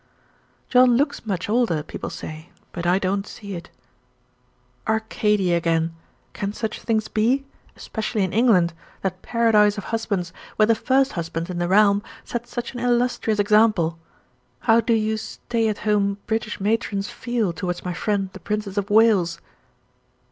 "John looks much older, people say; but I don't see it." "Arcadia again! Can such things be? especially in England, that paradise of husbands, where the first husband in the realm sets such an illustrious example. How do you stay at home British matrons feel towards my friend the Princess of Wales?"